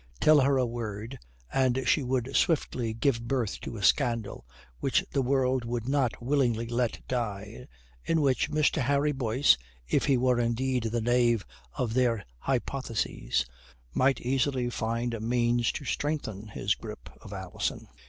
Tell her a word, and she would swiftly give birth to a scandal which the world would not willingly let die, in which Mr. Harry Boyce, if he were indeed the knave of their hypothesis, might easily find a means to strengthen his grip of Alison.